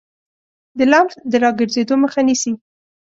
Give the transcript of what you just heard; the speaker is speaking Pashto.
د لمف د راګرځیدو مخه نیسي.